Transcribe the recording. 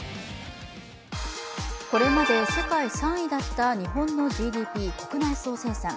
これまで世界３位だった日本のＧＤＰ＝国内総生産。